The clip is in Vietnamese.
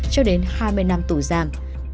cho đến hai mươi năm tù giam